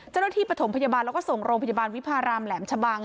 ปฐมพยาบาลแล้วก็ส่งโรงพยาบาลวิพารามแหลมชะบัง